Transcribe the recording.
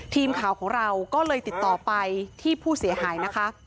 ทีมข่าวของเราก็เลยติดต่อไปที่ผู้เสียหายนะคะ